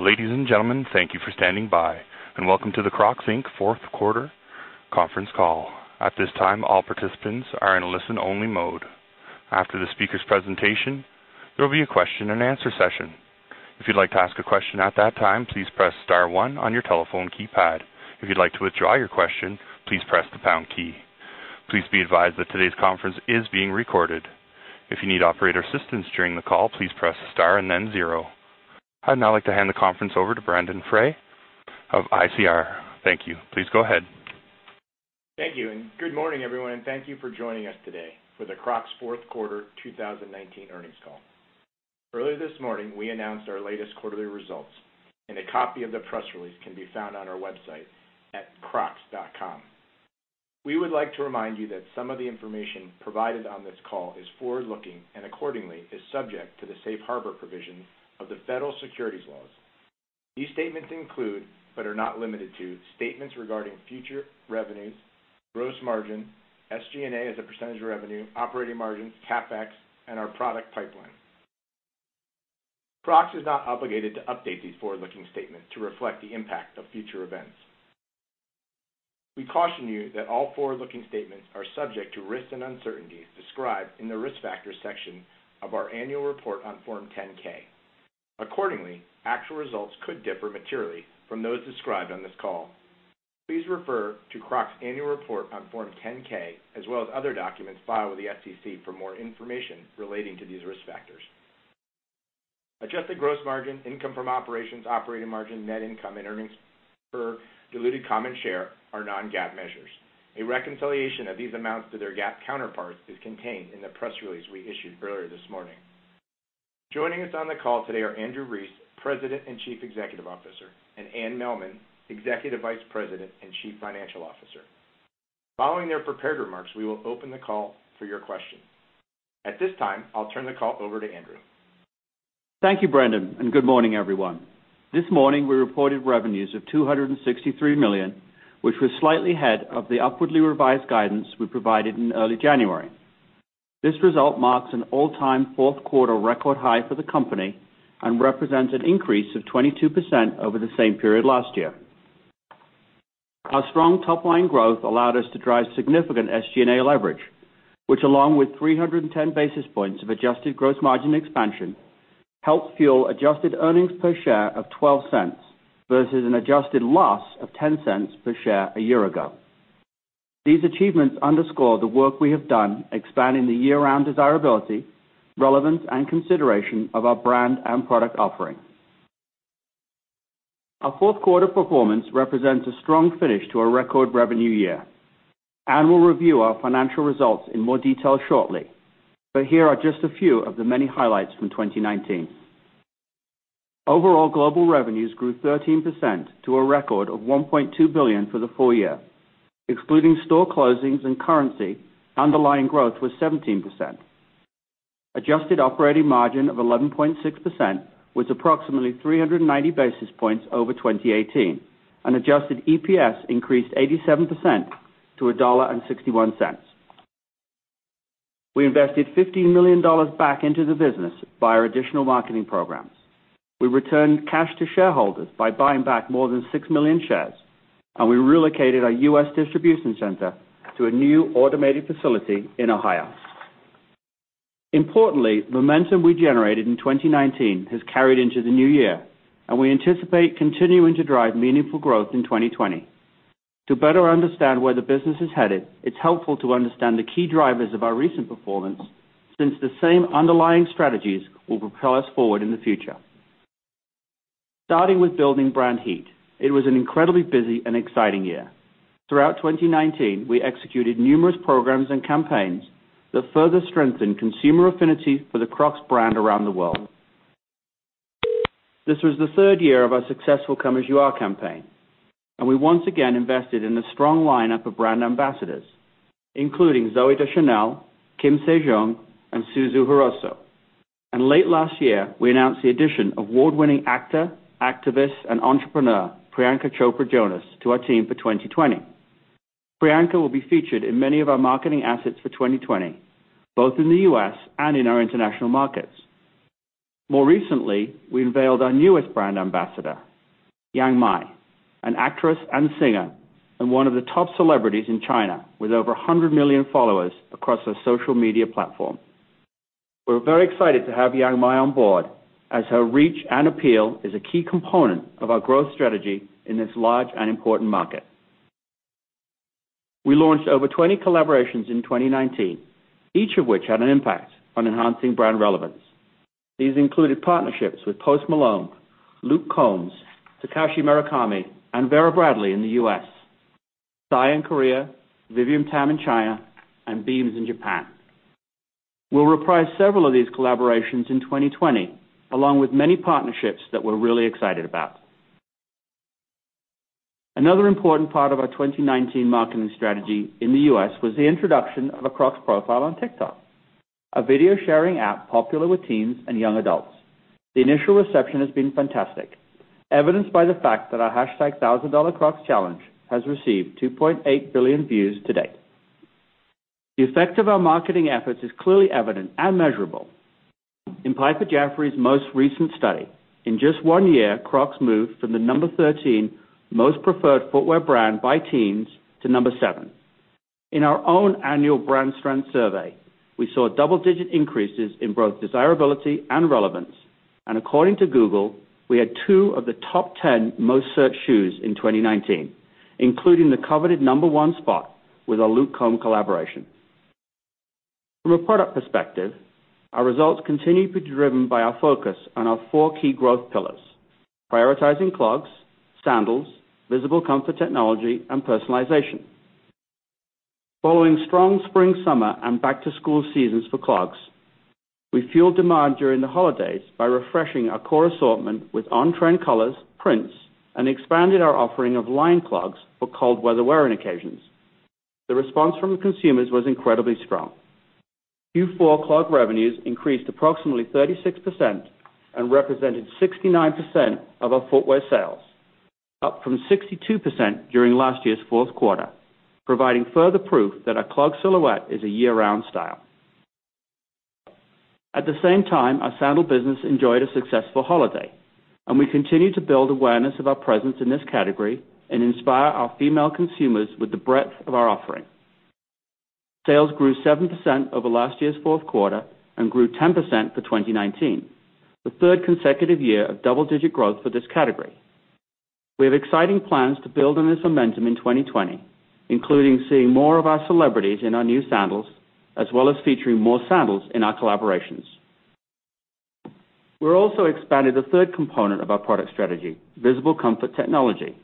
Ladies and gentlemen, thank you for standing by and welcome to the Crocs, Inc. Fourth Quarter Conference Call. At this time, all participants are in listen-only mode. After the speaker's presentation, there will be a question-and-answer session. If you'd like to ask a question at that time, please press star 1 on your telephone keypad. If you'd like to withdraw your question, please press the pound key. Please be advised that today's conference is being recorded. If you need operator assistance during the call, please press star and then zero. I'd now like to hand the conference over to Brendon Frey of ICR. Thank you. Please go ahead. Thank you, good morning, everyone, and thank you for joining us today for the Crocs Fourth Quarter 2019 earnings call. Earlier this morning, we announced our latest quarterly results, and a copy of the press release can be found on our website at crocs.com. We would like to remind you that some of the information provided on this call is forward-looking and accordingly is subject to the safe harbor provisions of the Federal Securities Laws. These statements include, but are not limited to, statements regarding future revenues, gross margin, SG&A as a percentage of revenue, operating margins, CapEx, and our product pipeline. Crocs is not obligated to update these forward-looking statements to reflect the impact of future events. We caution you that all forward-looking statements are subject to risks and uncertainties described in the Risk Factors section of our annual report on Form 10-K. Accordingly, actual results could differ materially from those described on this call. Please refer to Crocs' annual report on Form 10-K, as well as other documents filed with the SEC for more information relating to these risk factors. Adjusted gross margin, income from operations, operating margin, net income, and earnings per diluted common share are non-GAAP measures. A reconciliation of these amounts to their GAAP counterparts is contained in the press release we issued earlier this morning. Joining us on the call today are Andrew Rees, President and Chief Executive Officer, and Anne Mehlman, Executive Vice President and Chief Financial Officer. Following their prepared remarks, we will open the call for your questions. At this time, I'll turn the call over to Andrew. Thank you, Brendon, good morning, everyone. This morning, we reported revenues of $263 million, which was slightly ahead of the upwardly revised guidance we provided in early January. This result marks an all-time fourth-quarter record high for the company and represents an increase of 22% over the same period last year. Our strong top-line growth allowed us to drive significant SG&A leverage, which along with 310 basis points of adjusted gross margin expansion, helped fuel adjusted earnings per share of $0.12 versus an adjusted loss of $0.10 per share a year ago. These achievements underscore the work we have done expanding the year-round desirability, relevance, and consideration of our brand and product offering. Our fourth quarter performance represents a strong finish to a record revenue year. Anne will review our financial results in more detail shortly, but here are just a few of the many highlights from 2019. Overall global revenues grew 13% to a record of $1.2 billion for the full-year. Excluding store closings and currency, underlying growth was 17%. Adjusted operating margin of 11.6% was approximately 390 basis points over 2018, and adjusted EPS increased 87% to $1.61. We invested $15 million back into the business by our additional marketing programs. We returned cash to shareholders by buying back more than 6 million shares, and we relocated our U.S. distribution center to a new automated facility in Ohio. Importantly, momentum we generated in 2019 has carried into the new year, and we anticipate continuing to drive meaningful growth in 2020. To better understand where the business is headed, it's helpful to understand the key drivers of our recent performance, since the same underlying strategies will propel us forward in the future. Starting with building brand heat, it was an incredibly busy and exciting year. Throughout 2019, we executed numerous programs and campaigns that further strengthened consumer affinity for the Crocs brand around the world. This was the third year of our successful Come As You Are campaign, and we once again invested in a strong lineup of brand ambassadors, including Zooey Deschanel, Kim Se-jeong, and Suzu Hirose. Late last year, we announced the addition of award-winning actor, activist, and entrepreneur Priyanka Chopra Jonas to our team for 2020. Priyanka will be featured in many of our marketing assets for 2020, both in the U.S. and in our international markets. More recently, we unveiled our newest brand ambassador, Yang Mi, an actress and singer and one of the top celebrities in China with over 100 million followers across her social media platform. We're very excited to have Yang Mi on board, as her reach and appeal is a key component of our growth strategy in this large and important market. We launched over 20 collaborations in 2019, each of which had an impact on enhancing brand relevance. These included partnerships with Post Malone, Luke Combs, Takashi Murakami, and Vera Bradley in the U.S., Psy in Korea, Vivienne Tam in China, and BEAMS in Japan. We'll reprise several of these collaborations in 2020, along with many partnerships that we're really excited about. Another important part of our 2019 marketing strategy in the U.S. was the introduction of a Crocs profile on TikTok, a video-sharing app popular with teens and young adults. The initial reception has been fantastic, evidenced by the fact that our #ThousandDollarCrocs challenge has received 2.8 billion views to date. The effect of our marketing efforts is clearly evident and measurable. In Piper Jaffray's most recent study, in just one year, Crocs moved from the number 13 most preferred footwear brand by teens to number seven. In our own annual brand strength survey, we saw double-digit increases in both desirability and relevance, and according to Google, we had two of the top 10 most searched shoes in 2019, including the coveted number one spot with our Luke Combs collaboration. From a product perspective, our results continue to be driven by our focus on our four key growth pillars: prioritizing clogs, sandals, visible comfort technology, and personalization. Following strong spring, summer, and back-to-school seasons for clogs, we fueled demand during the holidays by refreshing our core assortment with on-trend colors, prints, and expanded our offering of lined clogs for cold weather wearing occasions. The response from the consumers was incredibly strong. Q4 clog revenues increased approximately 36% and represented 69% of our footwear sales, up from 62% during last year's fourth quarter, providing further proof that our clog silhouette is a year-round style. At the same time, our sandal business enjoyed a successful holiday, and we continue to build awareness of our presence in this category and inspire our female consumers with the breadth of our offering. Sales grew 7% over last year's fourth quarter and grew 10% for 2019, the third consecutive year of double-digit growth for this category. We have exciting plans to build on this momentum in 2020, including seeing more of our celebrities in our new sandals, as well as featuring more sandals in our collaborations. We're also expanding the third component of our product strategy, visible comfort technology,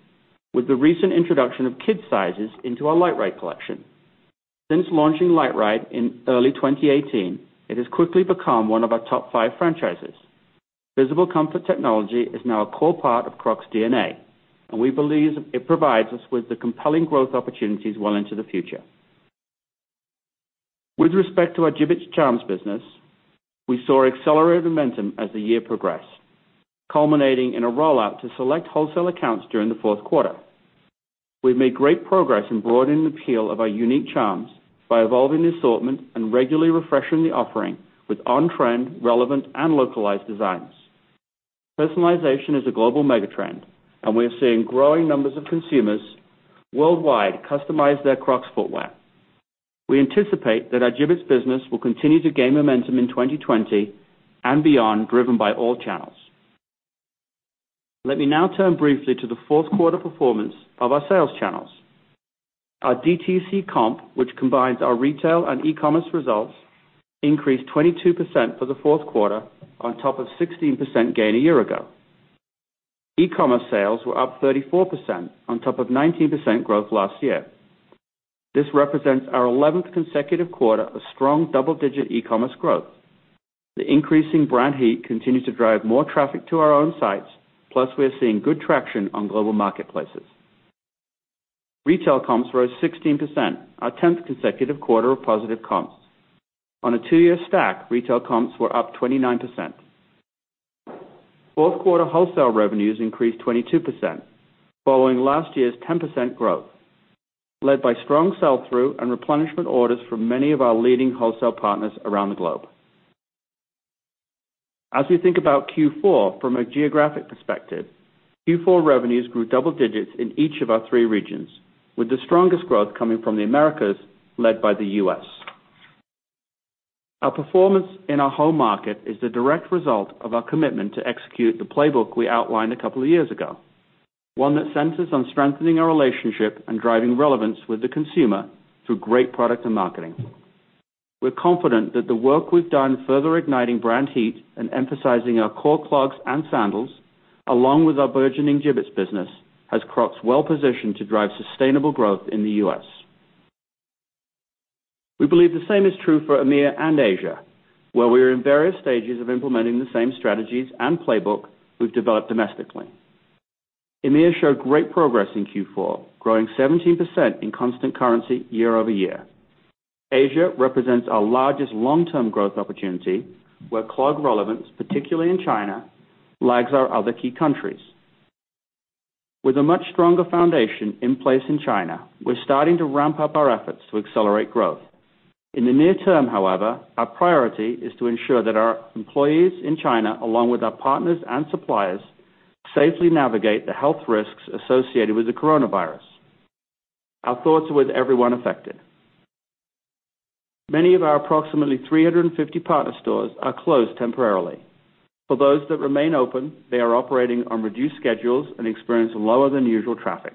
with the recent introduction of kids sizes into our LiteRide collection. Since launching LiteRide in early 2018, it has quickly become one of our top five franchises. Visible comfort technology is now a core part of Crocs DNA, and we believe it provides us with the compelling growth opportunities well into the future. With respect to our Jibbitz Charms business, we saw accelerated momentum as the year progressed, culminating in a rollout to select wholesale accounts during the fourth quarter. We've made great progress in broadening the appeal of our unique charms by evolving the assortment and regularly refreshing the offering with on-trend, relevant, and localized designs. Personalization is a global mega-trend, and we are seeing growing numbers of consumers worldwide customize their Crocs footwear. We anticipate that our Jibbitz business will continue to gain momentum in 2020 and beyond, driven by all channels. Let me now turn briefly to the fourth quarter performance of our sales channels. Our DTC comp, which combines our retail and e-commerce results, increased 22% for the fourth quarter on top of 16% gain a year ago. E-commerce sales were up 34% on top of 19% growth last year. This represents our 11th consecutive quarter of strong double-digit e-commerce growth. The increasing brand heat continues to drive more traffic to our own sites, plus we are seeing good traction on global marketplaces. Retail comps rose 16%, our 10th consecutive quarter of positive comps. On a two-year stack, retail comps were up 29%. Fourth quarter wholesale revenues increased 22%, following last year's 10% growth, led by strong sell-through and replenishment orders from many of our leading wholesale partners around the globe. As we think about Q4 from a geographic perspective, Q4 revenues grew double digits in each of our three regions, with the strongest growth coming from the Americas, led by the U.S. Our performance in our home market is the direct result of our commitment to execute the playbook we outlined a couple of years ago, one that centers on strengthening our relationship and driving relevance with the consumer through great product and marketing. We're confident that the work we've done further igniting brand heat and emphasizing our core clogs and sandals, along with our burgeoning Jibbitz business, has Crocs well-positioned to drive sustainable growth in the U.S. We believe the same is true for EMEA and Asia, where we are in various stages of implementing the same strategies and playbook we've developed domestically. EMEA showed great progress in Q4, growing 17% in constant currency year-over-year. Asia represents our largest long-term growth opportunity, where clog relevance, particularly in China, lags our other key countries. With a much stronger foundation in place in China, we're starting to ramp up our efforts to accelerate growth. In the near term, however, our priority is to ensure that our employees in China, along with our partners and suppliers, safely navigate the health risks associated with the coronavirus. Our thoughts are with everyone affected. Many of our approximately 350 partner stores are closed temporarily. For those that remain open, they are operating on reduced schedules and experience lower than usual traffic.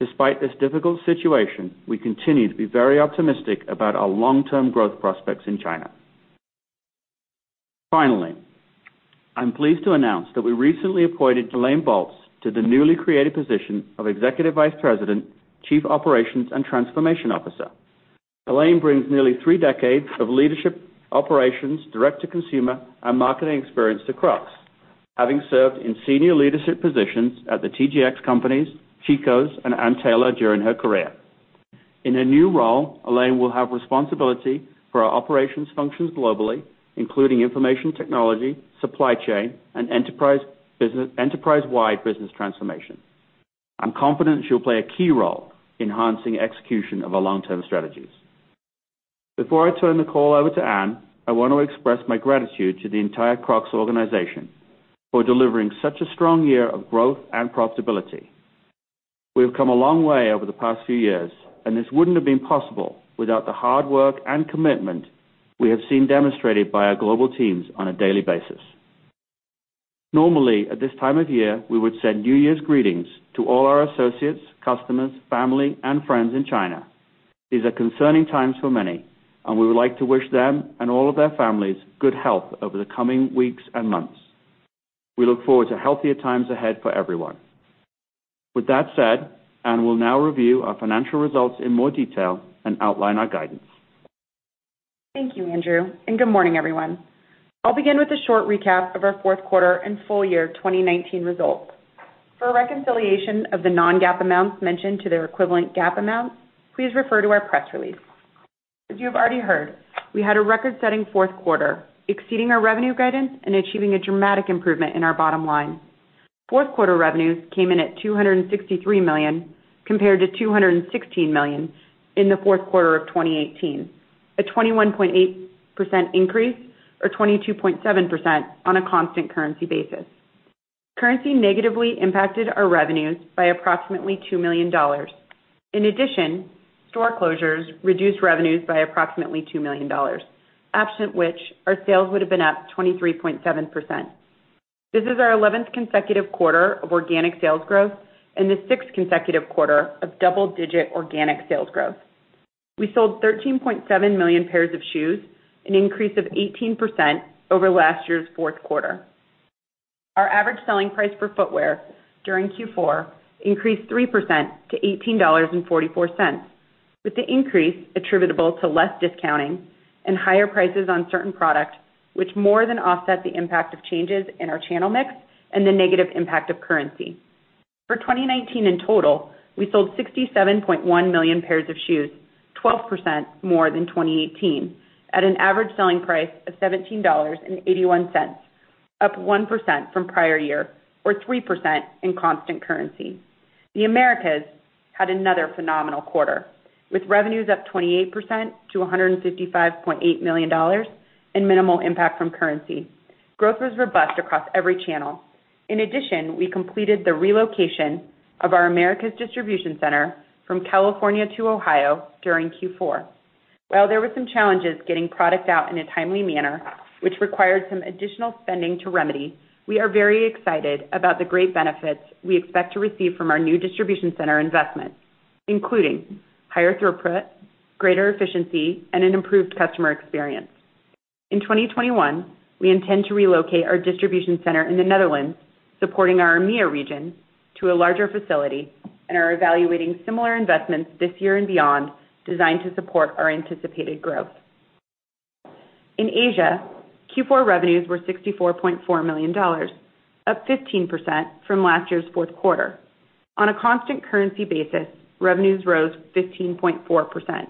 Despite this difficult situation, we continue to be very optimistic about our long-term growth prospects in China. Finally, I'm pleased to announce that we recently appointed Elaine Boltz to the newly created position of Executive Vice President, Chief Operations and Transformation Officer. Elaine brings nearly three decades of leadership, operations, direct-to-consumer, and marketing experience to Crocs, having served in senior leadership positions at the The TJX Companies, Chico's, and Ann Taylor during her career. In her new role, Elaine will have responsibility for our operations functions globally, including information technology, supply chain, and enterprise-wide business transformation. I'm confident she'll play a key role in enhancing execution of our long-term strategies. Before I turn the call over to Anne, I want to express my gratitude to the entire Crocs organization for delivering such a strong year of growth and profitability. We have come a long way over the past few years, and this wouldn't have been possible without the hard work and commitment we have seen demonstrated by our global teams on a daily basis. Normally, at this time of year, we would send New Year's greetings to all our associates, customers, family, and friends in China. These are concerning times for many, and we would like to wish them and all of their families good health over the coming weeks and months. We look forward to healthier times ahead for everyone. With that said, Anne will now review our financial results in more detail and outline our guidance. Thank you, Andrew, good morning, everyone. I'll begin with a short recap of our fourth quarter and full-year 2019 results. For a reconciliation of the non-GAAP amounts mentioned to their equivalent GAAP amounts, please refer to our press release. As you have already heard, we had a record-setting fourth quarter, exceeding our revenue guidance and achieving a dramatic improvement in our bottom line. Fourth-quarter revenues came in at $263 million, compared to $216 million in the fourth quarter of 2018, a 21.8% increase or 22.7% on a constant currency basis. Currency negatively impacted our revenues by approximately $2 million. In addition, store closures reduced revenues by approximately $2 million, absent which our sales would have been up 23.7%. This is our 11th consecutive quarter of organic sales growth and the sixth consecutive quarter of double-digit organic sales growth. We sold 13.7 million pairs of shoes, an increase of 18% over last year's fourth quarter. Our average selling price per footwear during Q4 increased 3% to $18.44, with the increase attributable to less discounting and higher prices on certain products, which more than offset the impact of changes in our channel mix and the negative impact of currency. For 2019 in total, we sold 67.1 million pairs of shoes, 12% more than 2018, at an average selling price of $17.81, up 1% from prior year or 3% in constant currency. The Americas had another phenomenal quarter, with revenues up 28% to $155.8 million and minimal impact from currency. Growth was robust across every channel. In addition, we completed the relocation of our Americas distribution center from California to Ohio during Q4. While there were some challenges getting product out in a timely manner, which required some additional spending to remedy, we are very excited about the great benefits we expect to receive from our new distribution center investments, including higher throughput, greater efficiency, and an improved customer experience. In 2021, we intend to relocate our distribution center in the Netherlands, supporting our EMEIA region to a larger facility and are evaluating similar investments this year and beyond designed to support our anticipated growth. In Asia, Q4 revenues were $64.4 million, up 15% from last year's fourth quarter. On a constant currency basis, revenues rose 15.4%.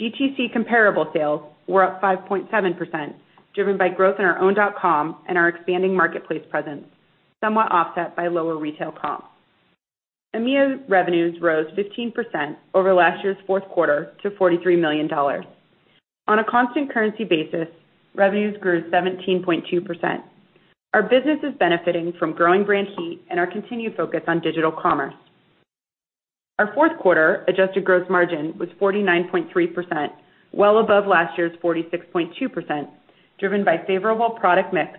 DTC comparable sales were up 5.7%, driven by growth in our own dot-com and our expanding marketplace presence, somewhat offset by lower retail comps. EMEIA revenues rose 15% over last year's fourth quarter to $43 million. On a constant currency basis, revenues grew 17.2%. Our business is benefiting from growing brand heat and our continued focus on digital commerce. Our fourth quarter adjusted gross margin was 49.3%, well above last year's 46.2%, driven by favorable product mix,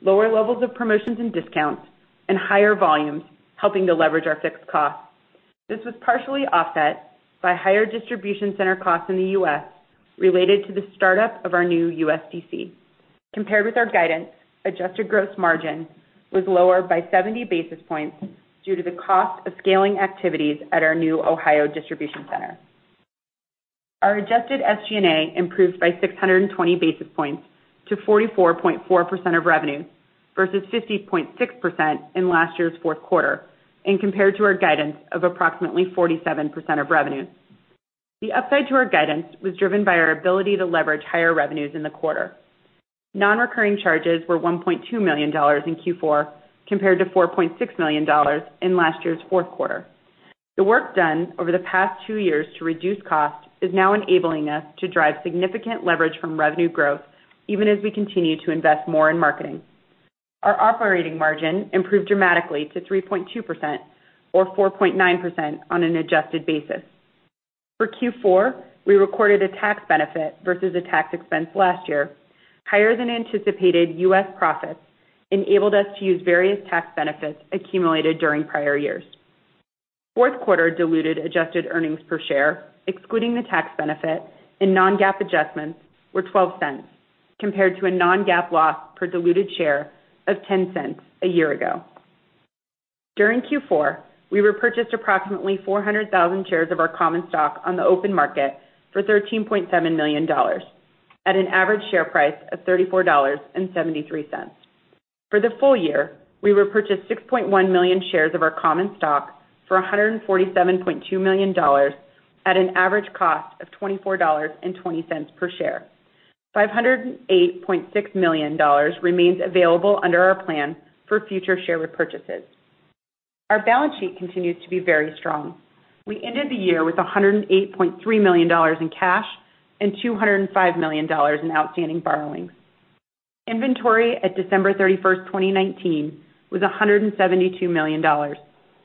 lower levels of promotions and discounts, and higher volumes, helping to leverage our fixed costs. This was partially offset by higher distribution center costs in the U.S. related to the startup of our new U.S. DC. Compared with our guidance, adjusted gross margin was lower by 70 basis points due to the cost of scaling activities at our new Ohio distribution center. Our adjusted SG&A improved by 620 basis points to 44.4% of revenue, versus 50.6% in last year's fourth quarter and compared to our guidance of approximately 47% of revenue. The upside to our guidance was driven by our ability to leverage higher revenues in the quarter. Non-recurring charges were $1.2 million in Q4, compared to $4.6 million in last year's fourth quarter. The work done over the past two years to reduce costs is now enabling us to drive significant leverage from revenue growth, even as we continue to invest more in marketing. Our operating margin improved dramatically to 3.2% or 4.9% on an adjusted basis. For Q4, we recorded a tax benefit versus a tax expense last year. Higher-than-anticipated U.S. profits enabled us to use various tax benefits accumulated during prior years. Fourth quarter diluted adjusted earnings per share, excluding the tax benefit and non-GAAP adjustments, were $0.12 compared to a non-GAAP loss per diluted share of $0.10 a year ago. During Q4, we repurchased approximately 400,000 shares of our common stock on the open market for $13.7 million at an average share price of $34.73. For the full-year, we repurchased 6.1 million shares of our common stock for $147.2 million at an average cost of $24.20 per share. $508.6 million remains available under our plan for future share repurchases. Our balance sheet continues to be very strong. We ended the year with $108.3 million in cash and $205 million in outstanding borrowings. Inventory at December 31st, 2019 was $172 million,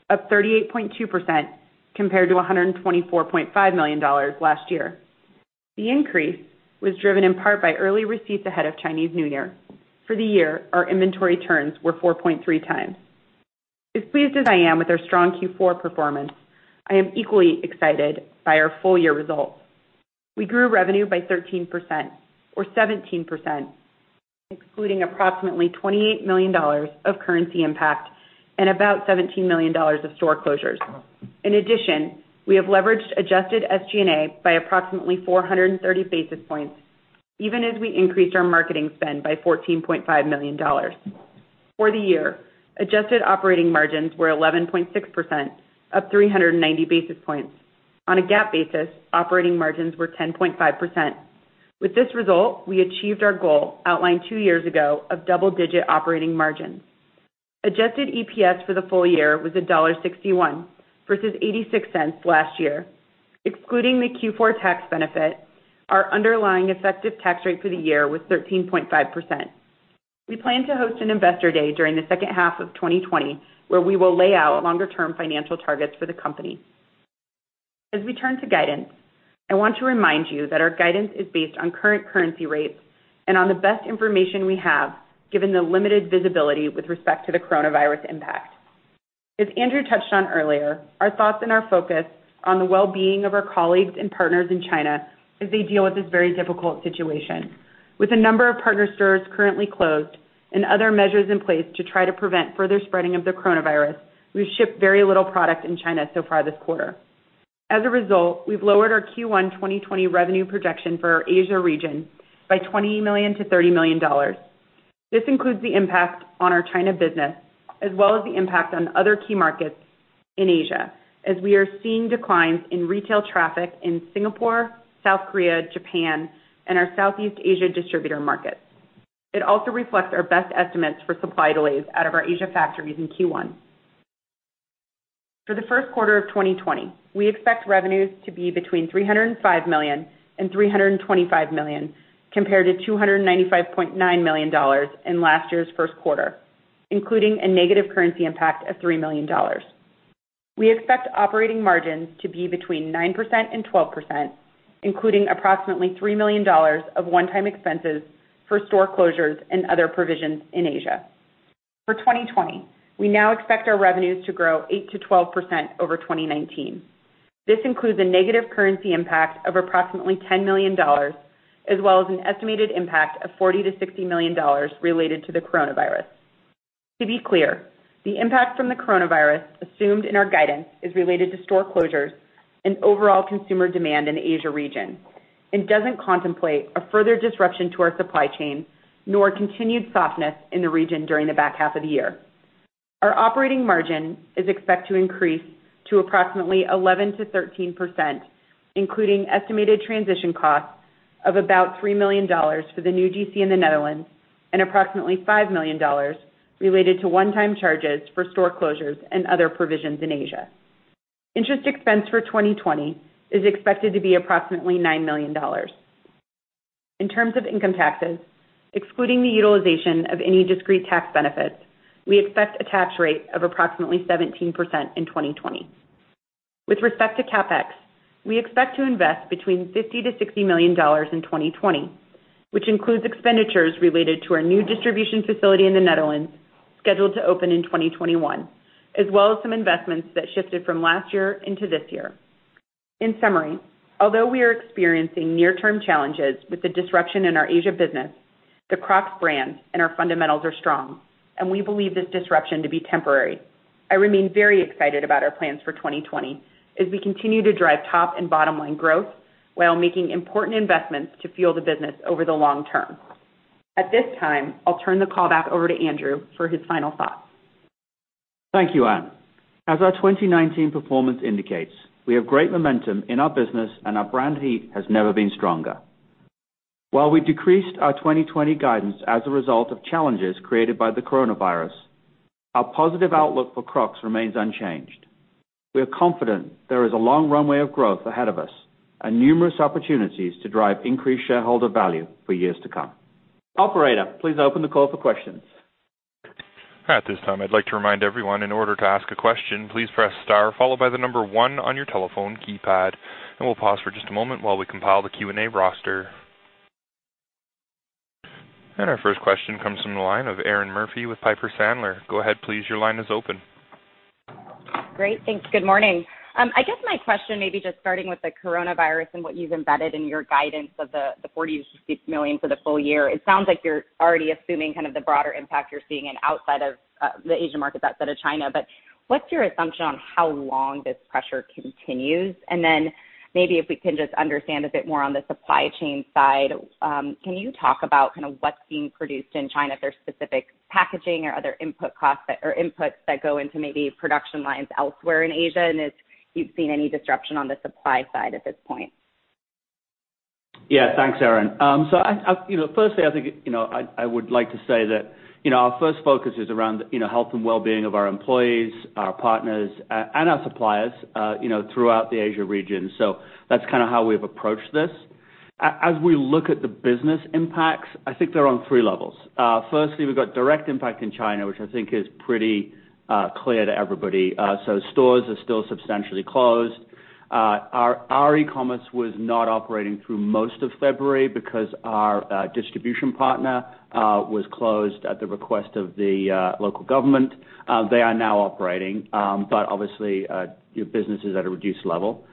up 38.2% compared to $124.5 million last year. The increase was driven in part by early receipts ahead of Chinese New Year. For the year, our inventory turns were 4.3x. As pleased as I am with our strong Q4 performance, I am equally excited by our full-year results. We grew revenue by 13%, or 17%, excluding approximately $28 million of currency impact and about $17 million of store closures. In addition, we have leveraged adjusted SG&A by approximately 430 basis points, even as we increased our marketing spend by $14.5 million. For the year, adjusted operating margins were 11.6%, up 390 basis points. On a GAAP basis, operating margins were 10.5%. With this result, we achieved our goal outlined two years ago of double-digit operating margins. Adjusted EPS for the full-year was $1.61 versus $0.86 last year. Excluding the Q4 tax benefit, our underlying effective tax rate for the year was 13.5%. We plan to host an investor day during the second half of 2020, where we will lay out longer-term financial targets for the company. As we turn to guidance, I want to remind you that our guidance is based on current currency rates and on the best information we have, given the limited visibility with respect to the coronavirus impact. As Andrew touched on earlier, our thoughts and our focus are on the well-being of our colleagues and partners in China as they deal with this very difficult situation. With a number of partner stores currently closed and other measures in place to try to prevent further spreading of the coronavirus, we've shipped very little product in China so far this quarter. As a result, we've lowered our Q1 2020 revenue projection for our Asia region by $20-30 million. This includes the impact on our China business as well as the impact on other key markets in Asia, as we are seeing declines in retail traffic in Singapore, South Korea, Japan, and our Southeast Asia distributor markets. It also reflects our best estimates for supply delays out of our Asia factories in Q1. For the first quarter of 2020, we expect revenues to be between $305 million and $325 million, compared to $295.9 million in last year's first quarter, including a negative currency impact of $3 million. We expect operating margins to be between 9% and 12%, including approximately $3 million of one-time expenses for store closures and other provisions in Asia. For 2020, we now expect our revenues to grow 8% to 12% over 2019. This includes a negative currency impact of approximately $10 million, as well as an estimated impact of $40-60 million related to the coronavirus. To be clear, the impact from the coronavirus assumed in our guidance is related to store closures and overall consumer demand in the Asia region and doesn't contemplate a further disruption to our supply chain, nor continued softness in the region during the back half of the year. Our operating margin is expected to increase to approximately 11%-13%, including estimated transition costs of about $3 million for the new DC in the Netherlands and approximately $5 million related to one-time charges for store closures and other provisions in Asia. Interest expense for 2020 is expected to be approximately $9 million. In terms of income taxes, excluding the utilization of any discrete tax benefits, we expect a tax rate of approximately 17% in 2020. With respect to CapEx, we expect to invest between $50-60 million in 2020, which includes expenditures related to our new distribution facility in the Netherlands, scheduled to open in 2021, as well as some investments that shifted from last year into this year. In summary, although we are experiencing near-term challenges with the disruption in our Asia business, the Crocs brand and our fundamentals are strong, and we believe this disruption to be temporary. I remain very excited about our plans for 2020 as we continue to drive top and bottom-line growth while making important investments to fuel the business over the long term. At this time, I'll turn the call back over to Andrew for his final thoughts. Thank you, Anne. As our 2019 performance indicates, we have great momentum in our business and our brand heat has never been stronger. While we decreased our 2020 guidance as a result of challenges created by the coronavirus, our positive outlook for Crocs remains unchanged. We are confident there is a long runway of growth ahead of us and numerous opportunities to drive increased shareholder value for years to come. Operator, please open the call for questions. At this time, I'd like to remind everyone, in order to ask a question, please press star followed by the number one on your telephone keypad. We'll pause for just a moment while we compile the Q&A roster. Our first question comes from the line of Erinn Murphy with Piper Sandler. Go ahead, please. Your line is open. Great. Thanks. Good morning. I guess my question may be just starting with the coronavirus and what you've embedded in your guidance of the $40-60 million for the full-year. It sounds like you're already assuming kind of the broader impact you're seeing in outside of the Asian markets, outside of China. What's your assumption on how long this pressure continues? Then maybe if we can just understand a bit more on the supply chain side. Can you talk about what's being produced in China? If there's specific packaging or other input costs or inputs that go into maybe production lines elsewhere in Asia, and if you've seen any disruption on the supply side at this point. Thanks, Erinn. Firstly, I would like to say that our first focus is around the health and wellbeing of our employees, our partners, and our suppliers throughout the Asia region. That's how we've approached this. As we look at the business impacts, I think they're on three levels. Firstly, we've got direct impact in China, which I think is pretty clear to everybody. Stores are still substantially closed. Our e-commerce was not operating through most of February because our distribution partner was closed at the request of the local government. They are now operating, but obviously, your business is at a reduced level.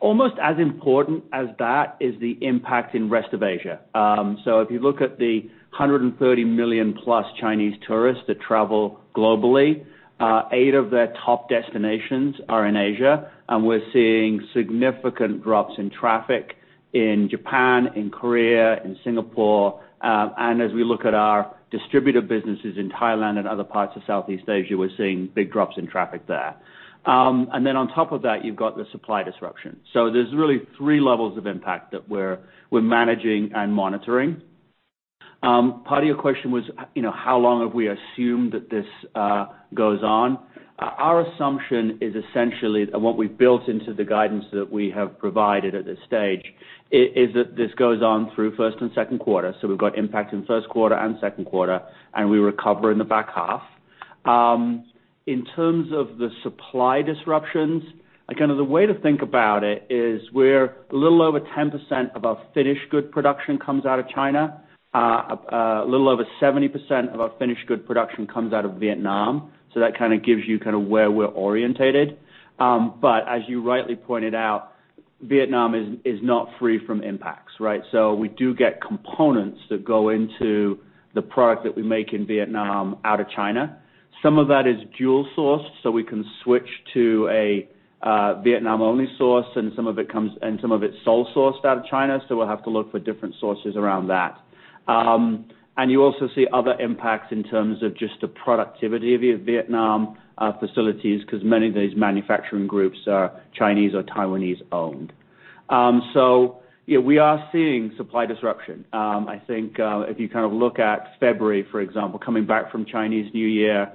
Almost as important as that is the impact in rest of Asia. If you look at the 130 million-plus Chinese tourists that travel globally, eight of their top destinations are in Asia, and we're seeing significant drops in traffic in Japan, in Korea, in Singapore. As we look at our distributor businesses in Thailand and other parts of Southeast Asia, we're seeing big drops in traffic there. On top of that, you've got the supply disruption. There's really three levels of impact that we're managing and monitoring. Part of your question was, how long have we assumed that this goes on? Our assumption is essentially, and what we've built into the guidance that we have provided at this stage, is that this goes on through first and second quarter. We've got impact in first quarter and second quarter, and we recover in the back half. In terms of the supply disruptions, the way to think about it is where a little over 10% of our finished good production comes out of China. A little over 70% of our finished good production comes out of Vietnam. That gives you where we're orientated. As you rightly pointed out, Vietnam is not free from impacts, right? We do get components that go into the product that we make in Vietnam, out of China. Some of that is dual sourced, so we can switch to a Vietnam-only source, and some of it's sole sourced out of China, so we'll have to look for different sources around that. You also see other impacts in terms of just the productivity of your Vietnam facilities, because many of these manufacturing groups are Chinese or Taiwanese-owned. Yeah, we are seeing supply disruption. I think, if you look at February, for example, coming back from Chinese New Year,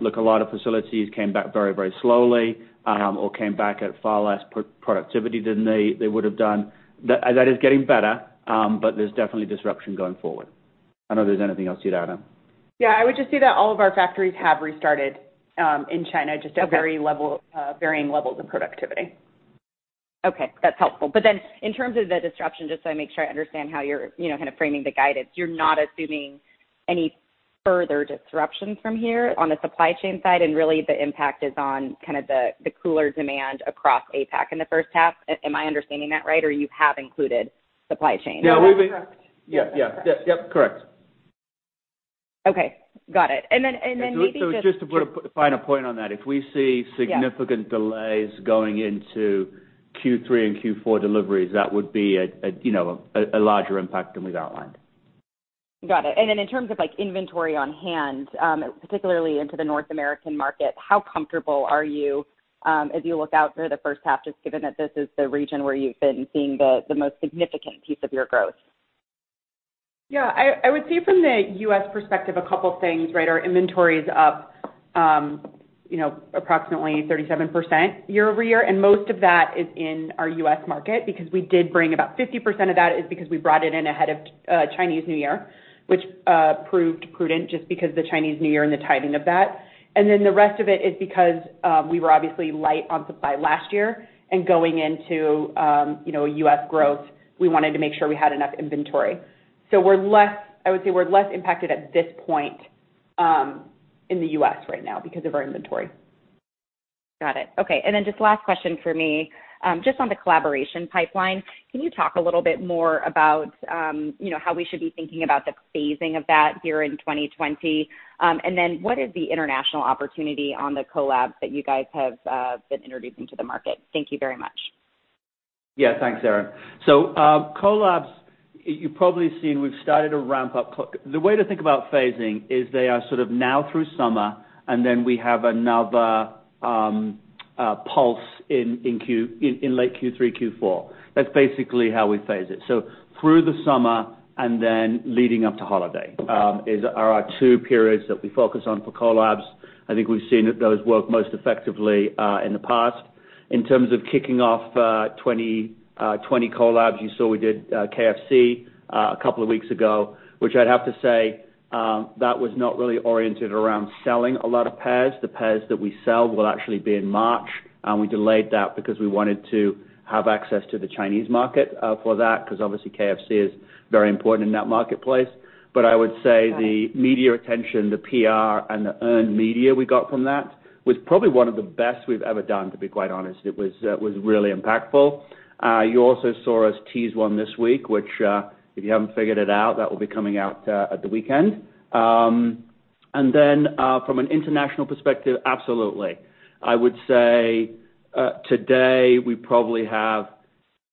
look, a lot of facilities came back very slowly or came back at far less productivity than they would've done. That is getting better, but there's definitely disruption going forward. I don't know if there's anything else you'd add on. Yeah, I would just say that all of our factories have restarted in China just at varying levels of productivity. Okay. That's helpful. In terms of the disruption, just so I make sure I understand how you're framing the guidance, you're not assuming any further disruptions from here on the supply chain side, and really the impact is on the cooler demand across APAC in the first half. Am I understanding that right? You have included supply chain? Yeah. That's Correct. Okay. Got it. Just to put a final point on that, if we see significant delays going into Q3 and Q4 deliveries, that would be a larger impact than we've outlined. Got it. In terms of inventory on hand, particularly into the North American market, how comfortable are you as you look out through the first half, just given that this is the region where you've been seeing the most significant piece of your growth? Yeah. I would say from the U.S. perspective, a couple things, right? Our inventory's up approximately 37% year-over-year, and most of that is in our U.S. market because we did bring about 50% of that is because we brought it in ahead of Chinese New Year, which proved prudent just because of the Chinese New Year and the timing of that. The rest of it is because we were obviously light on supply last year, and going into U.S. growth, we wanted to make sure we had enough inventory. I would say we're less impacted at this point in the U.S. right now because of our inventory. Got it. Okay, just last question from me. Just on the collaboration pipeline, can you talk a little bit more about how we should be thinking about the phasing of that here in 2020? What is the international opportunity on the collabs that you guys have been introducing to the market? Thank you very much. Yeah. Thanks, Erinn. Collabs, you've probably seen, we've started to ramp up. The way to think about phasing is they are sort of now through summer, and then we have another pulse in late Q3, Q4. That's basically how we phase it. Through the summer and then leading up to holiday are our two periods that we focus on for collabs. I think we've seen those work most effectively in the past. In terms of kicking off 2020 collabs, you saw we did KFC a couple of weeks ago, which I'd have to say, that was not really oriented around selling a lot of pairs. The pairs that we sell will actually be in March. We delayed that because we wanted to have access to the Chinese market for that, because obviously KFC is very important in that marketplace. I would say the media attention, the PR, and the earned media we got from that was probably one of the best we've ever done, to be quite honest. It was really impactful. You also saw us tease one this week, which, if you haven't figured it out, that will be coming out at the weekend. From an international perspective, absolutely. I would say today we probably have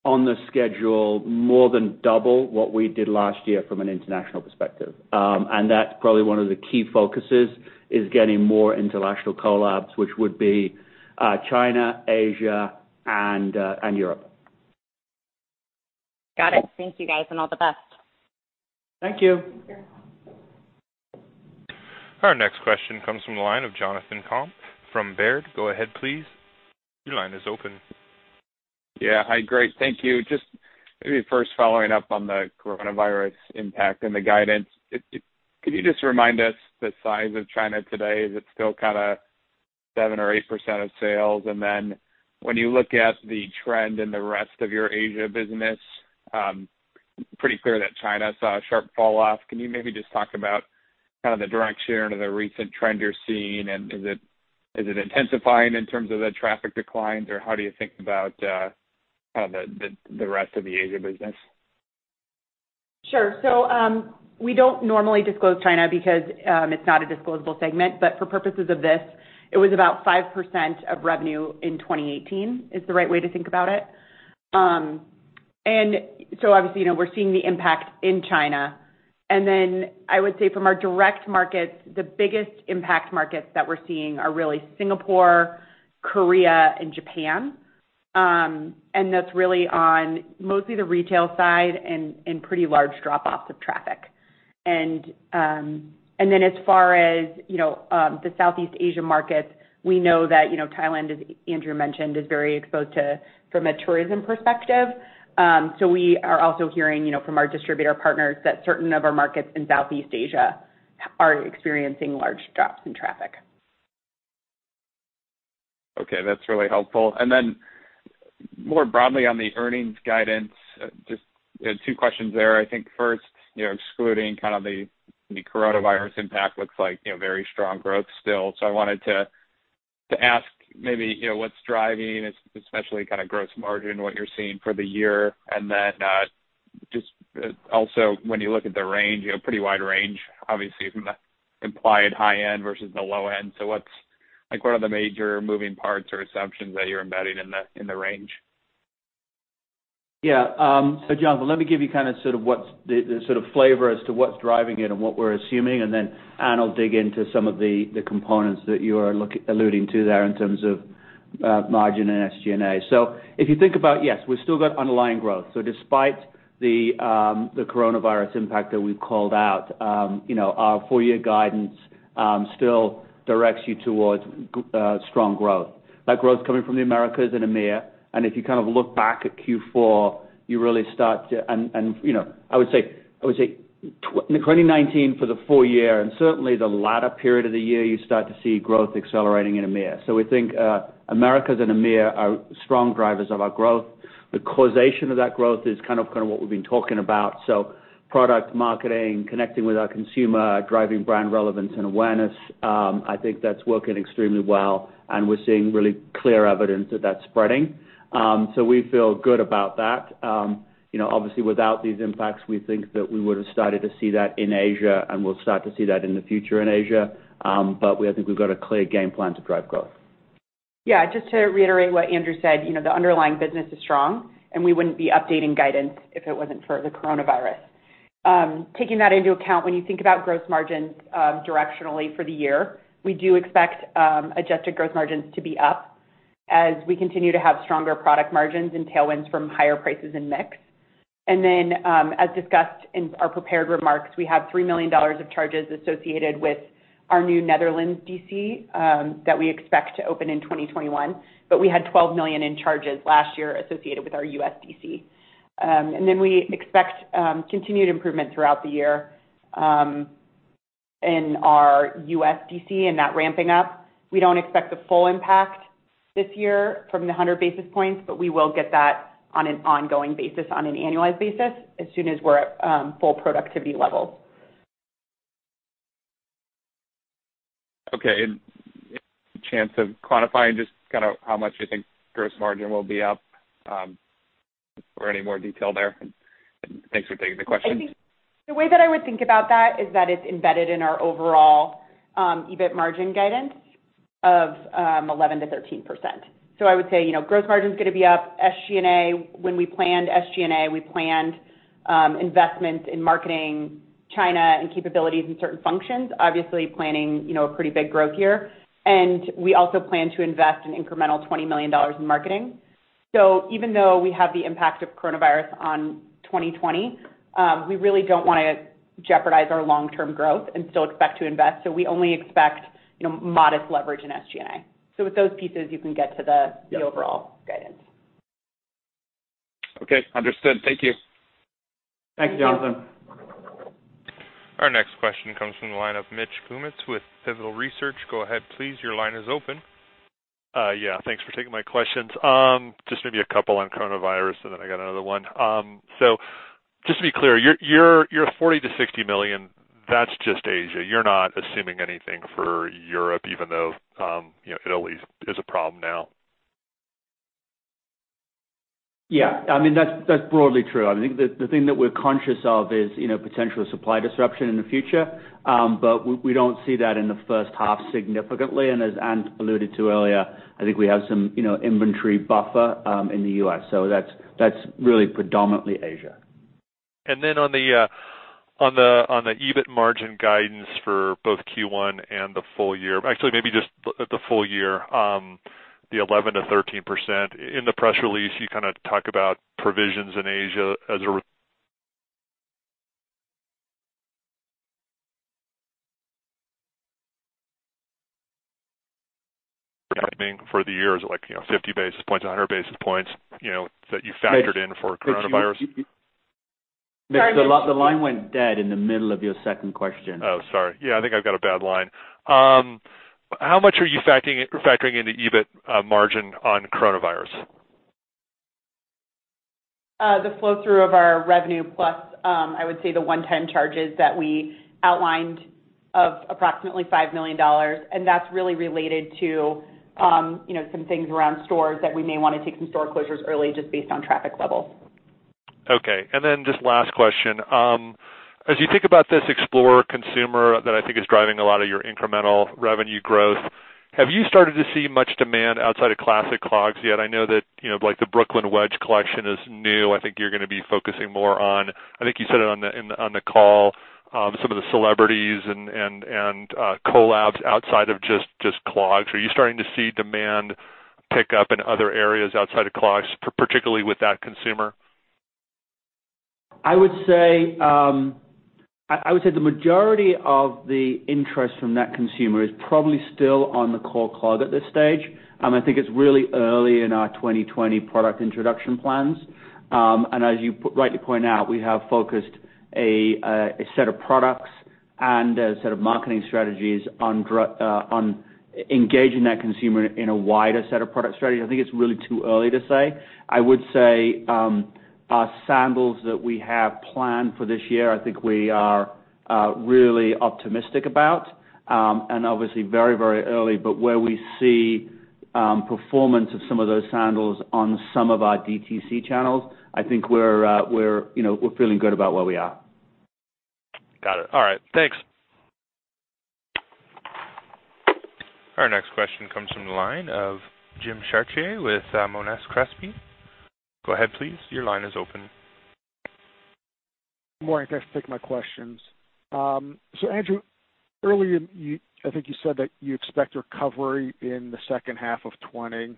on the schedule more than double what we did last year from an international perspective. That's probably one of the key focuses, is getting more international collabs, which would be China, Asia, and Europe. Got it. Thank you guys, and all the best. Thank you. Our next question comes from the line of Jonathan Komp from Baird. Go ahead, please. Your line is open. Yeah. Hi, great. Thank you. Just maybe first following up on the coronavirus impact and the guidance. Could you just remind us the size of China today? Is it still 7% or 8% of sales? When you look at the trend in the rest of your Asia business, pretty clear that China saw a sharp falloff. Can you maybe just talk about the direction or the recent trend you're seeing, and is it intensifying in terms of the traffic declines, or how do you think about the rest of the Asia business? Sure. We don't normally disclose China because it's not a disclosable segment, but for purposes of this, it was about 5% of revenue in 2018, is the right way to think about it. Obviously, we're seeing the impact in China. I would say from our direct markets, the biggest impact markets that we're seeing are really Singapore, Korea, and Japan. That's really on mostly the retail side and pretty large drop-offs of traffic. As far as the Southeast Asia markets, we know that Thailand, as Andrew mentioned, is very exposed from a tourism perspective. We are also hearing from our distributor partners that certain of our markets in Southeast Asia are experiencing large drops in traffic. Okay, that's really helpful. more broadly on the earnings guidance, just two questions there. first, excluding the coronavirus impact, looks like very strong growth still. I wanted to ask what's driving, especially gross margin, what you're seeing for the year. when you look at the range, pretty wide range from the implied high end versus the low end. What are the major moving parts or assumptions that you're embedding in the range? Jonathan, let me give you the sort of flavor as to what's driving it and what we're assuming, and then Anne will dig into some of the components that you are alluding to there in terms of margin and SG&A. If you think about, yes, we've still got underlying growth. Despite the coronavirus impact that we've called out, our full-year guidance still directs you towards strong growth. That growth coming from the Americas and EMEA. If you look back at Q4, I would say 2019 for the full-year, and certainly the latter period of the year, you start to see growth accelerating in EMEA. We think Americas and EMEA are strong drivers of our growth. The causation of that growth is kind of what we've been talking about. Product marketing, connecting with our consumer, driving brand relevance and awareness. I think that's working extremely well, and we're seeing really clear evidence that that's spreading. We feel good about that. Obviously, without these impacts, we think that we would've started to see that in Asia, and we'll start to see that in the future in Asia. I think we've got a clear game plan to drive growth. Yeah, just to reiterate what Andrew said, the underlying business is strong, and we wouldn't be updating guidance if it wasn't for the coronavirus. Taking that into account, when you think about gross margins directionally for the year, we do expect adjusted gross margins to be up as we continue to have stronger product margins and tailwinds from higher prices and mix. As discussed in our prepared remarks, we have $3 million of charges associated with our new Netherlands DC that we expect to open in 2021. We had $12 million in charges last year associated with our U.S. DC. We expect continued improvement throughout the year in our U.S. DC and that ramping up. We don't expect the full impact this year from the 100 basis points, but we will get that on an ongoing basis on an annualized basis as soon as we're at full productivity levels. Okay. Any chance of quantifying just how much you think gross margin will be up? Any more detail there? Thanks for taking the question. I think the way that I would think about that is that it's embedded in our overall EBIT margin guidance of 11% to 13%. I would say, gross margin's going to be up. SG&A, when we planned SG&A, we planned investments in marketing China and capabilities in certain functions, obviously planning a pretty big growth year. We also plan to invest an incremental $20 million in marketing. Even though we have the impact of coronavirus on 2020, we really don't want to jeopardize our long-term growth and still expect to invest. We only expect modest leverage in SG&A. With those pieces, you can get to the overall guidance. Okay, understood. Thank you. Thanks, Jonathan. Our next question comes from the line of Mitch Kummetz with Pivotal Research. Go ahead please. Your line is open. Yeah. Thanks for taking my questions. Just maybe a couple on coronavirus, and then I got another one. Just to be clear, your $40-60 million, that's just Asia. You're not assuming anything for Europe, even though Italy is a problem now. Yeah. That's broadly true. I think the thing that we're conscious of is potential supply disruption in the future. We don't see that in the first half significantly. As Anne alluded to earlier, I think we have some inventory buffer in the U.S., so that's really predominantly Asia. On the EBIT margin guidance for both Q1 and the full-year, actually maybe just the full-year, the 11%-13%. In the press release, you talk about provisions in Asia for the year. Is it 50 basis points, 100 basis points, that you factored in for coronavirus? Mitch, the line went dead in the middle of your second question. Oh, sorry. Yeah, I think I've got a bad line. How much are you factoring in the EBIT margin on coronavirus? The flow-through of our revenue plus, I would say the one-time charges that we outlined of approximately $5 million. That's really related to some things around stores that we may want to take some store closures early just based on traffic levels. Okay. Just last question. As you think about this explorer consumer that I think is driving a lot of your incremental revenue growth, have you started to see much demand outside of classic clogs yet? I know that the Brooklyn Wedge collection is new. I think you're going to be focusing more on, I think you said it on the call, some of the celebrities and collabs outside of just clogs. Are you starting to see demand pick up in other areas outside of clogs, particularly with that consumer? I would say the majority of the interest from that consumer is probably still on the core clog at this stage. I think it's really early in our 2020 product introduction plans. As you rightly point out, we have focused a set of products and a set of marketing strategies on engaging that consumer in a wider set of product strategies. I think it's really too early to say. I would say our sandals that we have planned for this year, I think we are really optimistic about. Obviously very early, but where we see performance of some of those sandals on some of our DTC channels, I think we're feeling good about where we are. Got it. All right. Thanks. Our next question comes from the line of Jim Chartier with Monness Crespi. Go ahead, please. Your line is open. Morning. Thanks for taking my questions. Andrew, earlier I think you said that you expect recovery in the second half of 2020.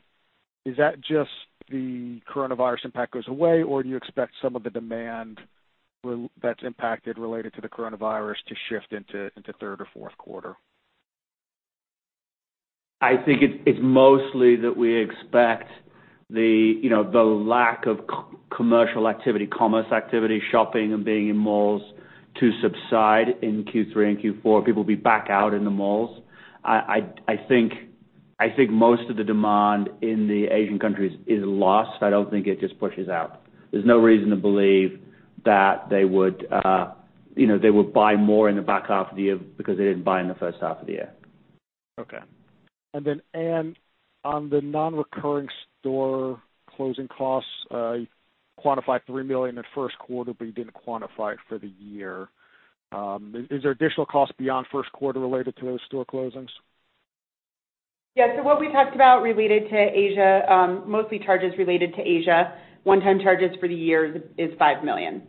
Is that just the coronavirus impact goes away, or do you expect some of the demand that's impacted related to the coronavirus to shift into third or fourth quarter? I think it's mostly that we expect the lack of commercial activity, commerce activity, shopping, and being in malls to subside in Q3 and Q4. People will be back out in the malls. I think most of the demand in the Asian countries is lost. I don't think it just pushes out. There's no reason to believe that they would buy more in the back half of the year because they didn't buy in the first half of the year. Okay. Anne, on the non-recurring store closing costs, you quantified $3 million in first quarter, but you didn't quantify it for the year. Is there additional cost beyond first quarter related to those store closings? Yeah. What we talked about related to Asia, mostly charges related to Asia, one-time charges for the year is $5 million,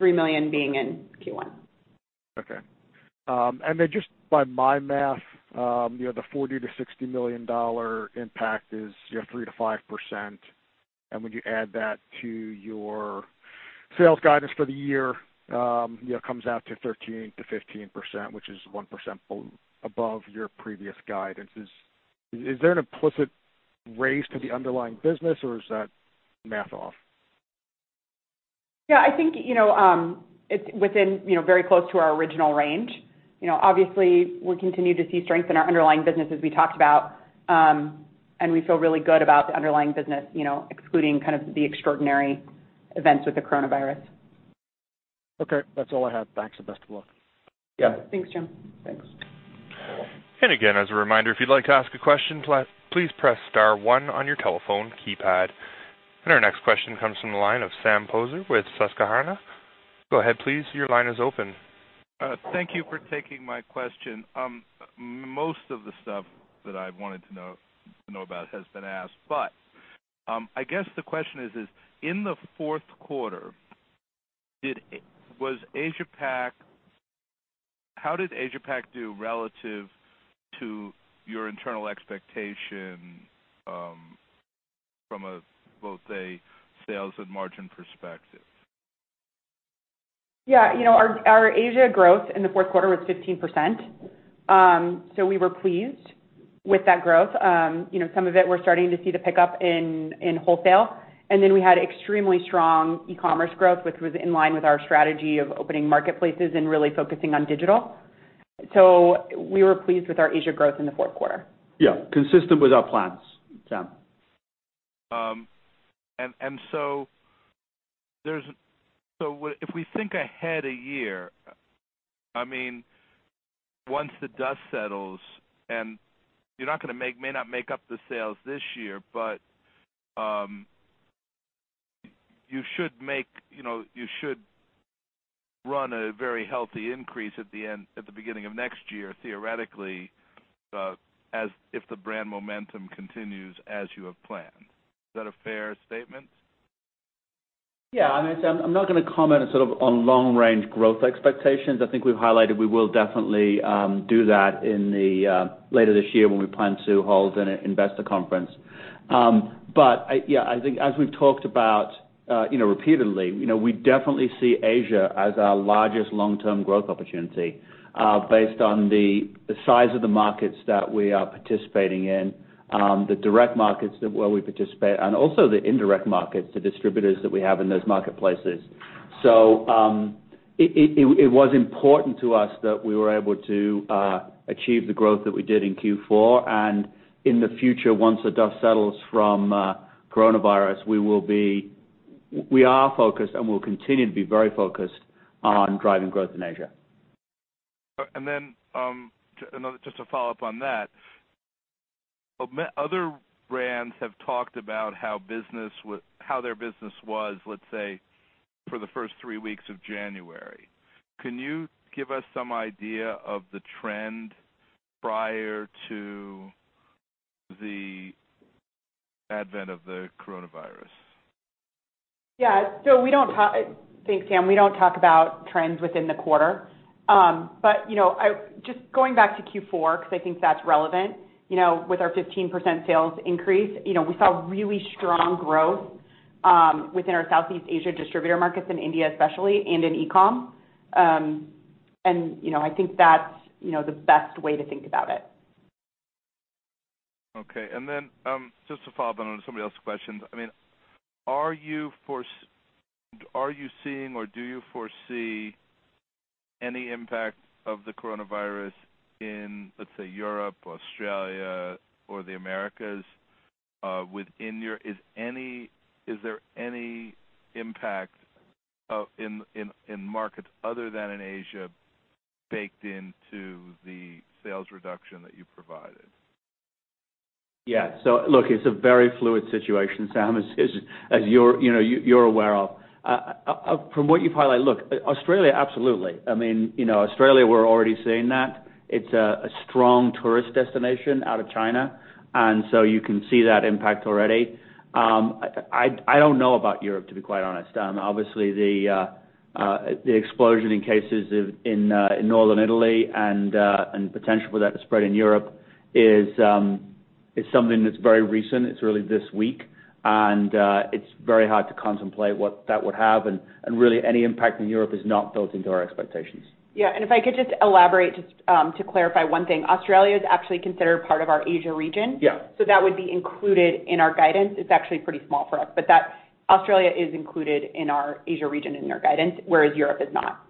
$3 million being in Q1. Just by my math, the $40-60 million impact is 3%-5%. When you add that to your sales guidance for the year, it comes out to 13%-15%, which is 1% above your previous guidance. Is there an implicit raise to the underlying business or is that math off? Yeah, I think it's very close to our original range. Obviously, we continue to see strength in our underlying business as we talked about. We feel really good about the underlying business excluding the extraordinary events with the coronavirus. Okay, that's all I have. Thanks. Best of luck. Yeah. Thanks, Jim. Thanks. Again, as a reminder, if you'd like to ask a question, please press star one on your telephone keypad. Our next question comes from the line of Sam Poser with Susquehanna. Go ahead, please. Your line is open. Thank you for taking my question. Most of the stuff that I wanted to know about has been asked, I guess the question is, in the fourth quarter, how did Asia-Pac do relative to your internal expectation from a, we'll say, sales and margin perspective? Yeah. Our Asia growth in the fourth quarter was 15%. We were pleased with that growth. Some of it we're starting to see the pickup in wholesale. We had extremely strong e-commerce growth, which was in line with our strategy of opening marketplaces and really focusing on digital. We were pleased with our Asia growth in the fourth quarter. Yeah. Consistent with our plans, Sam. If we think ahead a year, once the dust settles, and you may not make up the sales this year, but you should run a very healthy increase at the beginning of next year, theoretically, if the brand momentum continues as you have planned. Is that a fair statement? Yeah. I'm not going to comment on long-range growth expectations. I think we've highlighted we will definitely do that later this year when we plan to hold an investor conference. I think as we've talked about repeatedly, we definitely see Asia as our largest long-term growth opportunity based on the size of the markets that we are participating in, the direct markets where we participate, and also the indirect markets, the distributors that we have in those marketplaces. It was important to us that we were able to achieve the growth that we did in Q4. In the future, once the dust settles from coronavirus, we are focused and will continue to be very focused on driving growth in Asia. Just to follow up on that, other brands have talked about how their business was, let's say, for the first three weeks of January. Can you give us some idea of the trend prior to the advent of the coronavirus? Yeah. Thanks, Sam. We don't talk about trends within the quarter. Just going back to Q4, because I think that's relevant, with our 15% sales increase, we saw really strong growth within our Southeast Asia distributor markets, in India especially, and in e-com. I think that's the best way to think about it. Okay. Then, just to follow up on somebody else's questions. Are you seeing or do you foresee any impact of the coronavirus in, let's say, Europe or Australia or the Americas? Is there any impact in markets other than in Asia, baked into the sales reduction that you provided? Look, it's a very fluid situation, Sam, as you're aware of. From what you've highlighted, look, Australia, absolutely. Australia, we're already seeing that. It's a strong tourist destination out of China, you can see that impact already. I don't know about Europe, to be quite honest. Obviously, the explosion in cases in Northern Italy and potential for that to spread in Europe is something that's very recent. It's really this week. It's very hard to contemplate what that would have, and really, any impact in Europe is not built into our expectations. Yeah. If I could just elaborate just to clarify one thing. Australia is actually considered part of our Asia region. Yeah. That would be included in our guidance. It's actually pretty small for us. Australia is included in our Asia region, in our guidance, whereas Europe is not.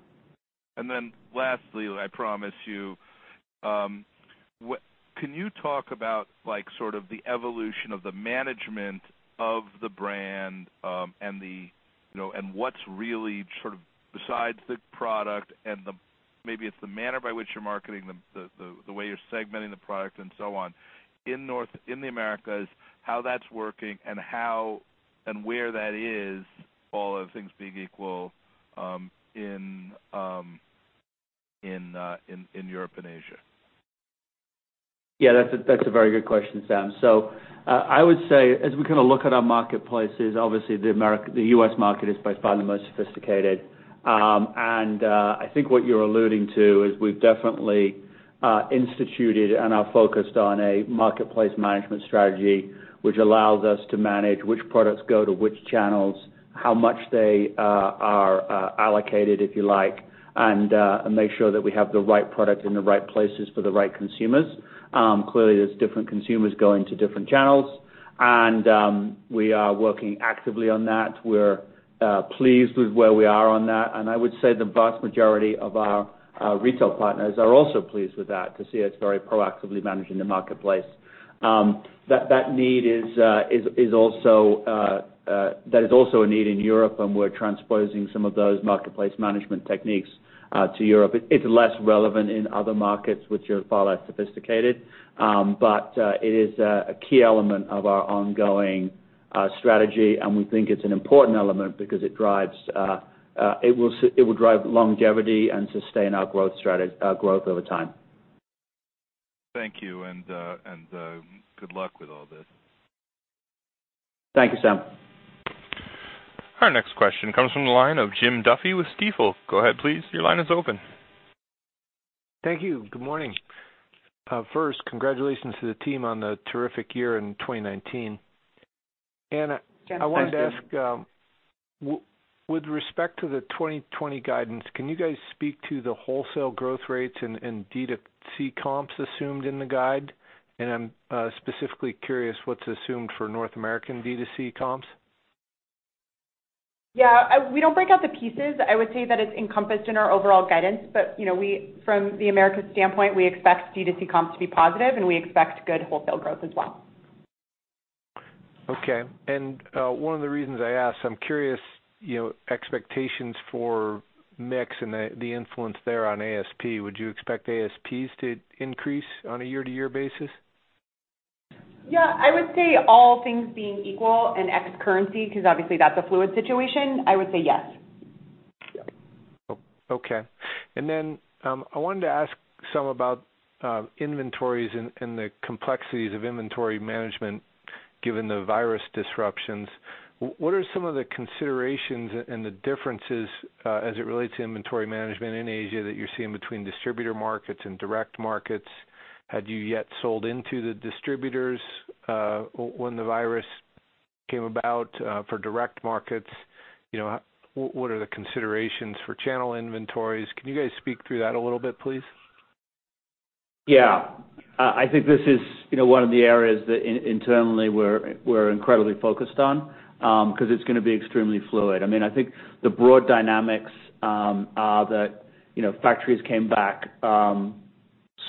Lastly, I promise you. Can you talk about the evolution of the management of the brand, and what's really, besides the product and maybe it's the manner by which you're marketing, the way you're segmenting the product and so on, in the Americas, how that's working and where that is, all other things being equal, in Europe and Asia? Yeah, that's a very good question, Sam. I would say, as we look at our marketplaces, obviously the U.S. market is by far the most sophisticated. I think what you're alluding to is we've definitely instituted and are focused on a marketplace management strategy, which allows us to manage which products go to which channels, how much they are allocated, if you like, and make sure that we have the right product in the right places for the right consumers. Clearly, there's different consumers going to different channels, and we are working actively on that. We're pleased with where we are on that, and I would say the vast majority of our retail partners are also pleased with that to see us very proactively managing the marketplace. That is also a need in Europe, and we're transposing some of those marketplace management techniques to Europe. It's less relevant in other markets which are far less sophisticated. It is a key element of our ongoing strategy, and we think it's an important element because it will drive longevity and sustain our growth over time. Thank you, and good luck with all this. Thank you, Sam. Our next question comes from the line of Jim Duffy with Stifel. Go ahead, please. Your line is open. Thank you. Good morning. First, congratulations to the team on the terrific year in 2019. Thanks, Jim. Anne, I wanted to ask, with respect to the 2020 guidance, can you guys speak to the wholesale growth rates and D2C comps assumed in the guide? I'm specifically curious what's assumed for North American D2C comps. Yeah. We don't break out the pieces. I would say that it's encompassed in our overall guidance. From the Americas standpoint, we expect D2C comps to be positive and we expect good wholesale growth as well. Okay. One of the reasons I ask, I'm curious expectations for mix and the influence there on ASP. Would you expect ASPs to increase on a year-to-year basis? I would say all things being equal and ex currency, because obviously that's a fluid situation, I would say yes. Okay. I wanted to ask some about inventories and the complexities of inventory management given the coronavirus disruptions. What are some of the considerations and the differences, as it relates to inventory management in Asia that you're seeing between distributor markets and direct markets? Had you yet sold into the distributors when the coronavirus came about for direct markets? What are the considerations for channel inventories? Can you guys speak through that a little bit, please? Yeah. I think this is one of the areas that internally we're incredibly focused on, because it's going to be extremely fluid. I think the broad dynamics are that factories came back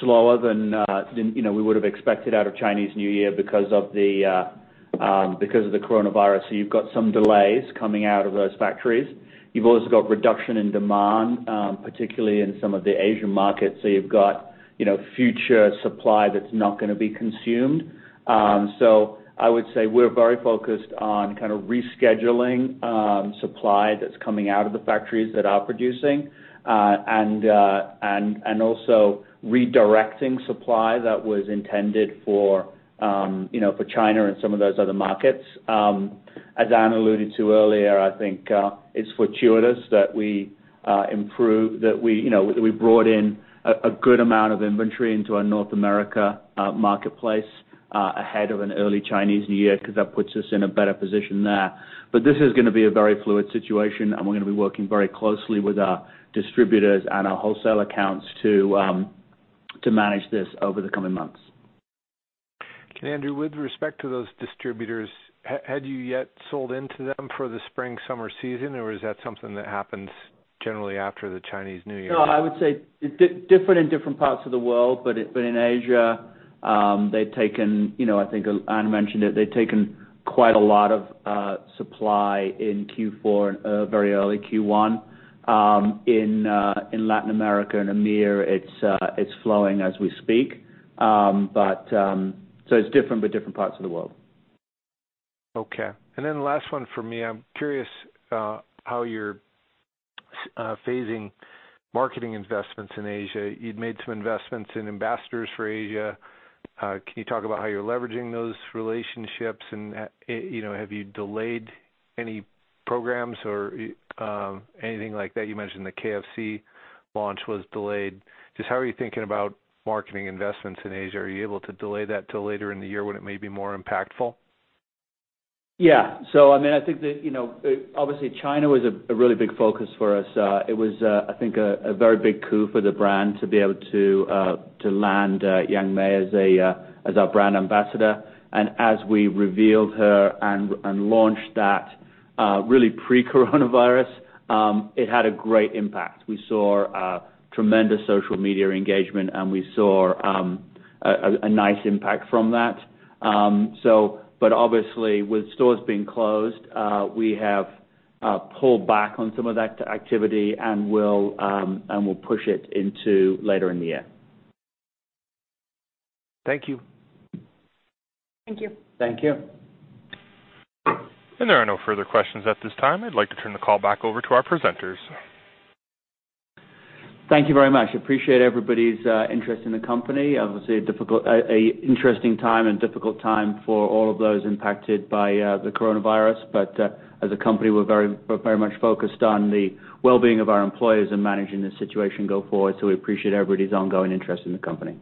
slower than we would've expected out of Chinese New Year because of the coronavirus. You've got some delays coming out of those factories. You've also got reduction in demand, particularly in some of the Asian markets. You've got future supply that's not going to be consumed. I would say we're very focused on rescheduling supply that's coming out of the factories that are producing, and also redirecting supply that was intended for China and some of those other markets. As Anne alluded to earlier, I think it's fortuitous that we brought in a good amount of inventory into our North America marketplace ahead of an early Chinese New Year because that puts us in a better position there. This is going to be a very fluid situation, and we're going to be working very closely with our distributors and our wholesale accounts to manage this over the coming months. Okay, Andrew, with respect to those distributors, had you yet sold into them for the spring, summer season, or is that something that happens generally after the Chinese New Year? I would say different in different parts of the world, but in Asia, they've taken, I think Anne mentioned it, they've taken quite a lot of supply in Q4 and very early Q1. In Latin America and EMEA, it's flowing as we speak. It's different with different parts of the world. Okay. Last one from me. I'm curious how you're phasing marketing investments in Asia. You'd made some investments in ambassadors for Asia. Can you talk about how you're leveraging those relationships? Have you delayed any programs or anything like that? You mentioned the KFC launch was delayed. How are you thinking about marketing investments in Asia? Are you able to delay that till later in the year when it may be more impactful? I think that, obviously China was a really big focus for us. It was, I think a very big coup for the brand to be able to land Yang Mi as our brand ambassador. As we revealed her and launched that really pre-coronavirus, it had a great impact. We saw tremendous social media engagement, and we saw a nice impact from that. Obviously, with stores being closed, we have pulled back on some of that activity, and we'll push it into later in the year. Thank you. Thank you. Thank you. There are no further questions at this time. I'd like to turn the call back over to our presenters. Thank you very much. Appreciate everybody's interest in the company. Obviously an interesting time and difficult time for all of those impacted by the coronavirus. As a company, we're very much focused on the wellbeing of our employees and managing this situation go forward. We appreciate everybody's ongoing interest in the company.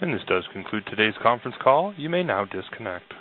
This does conclude today's conference call. You may now disconnect.